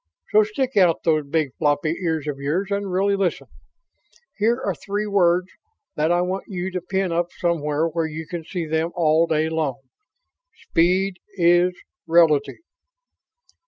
So stick out those big, floppy ears of yours and really listen. Here are three words that I want you to pin up somewhere where you can see them all day long: SPEED IS RELATIVE.